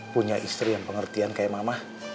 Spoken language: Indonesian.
punya istri yang pengertian kayak mama